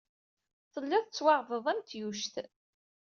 Tellid tettwaɛebded am tyuct.